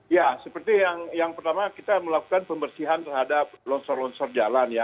ya seperti yang pertama kita melakukan pembersihan terhadap longsor longsor jalan ya